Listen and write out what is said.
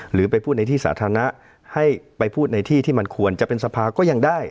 หรือไปพูดในที่สาธารณะให้ไปพูดในที่ที่มันควรจะเป็นสภาก็ยังได้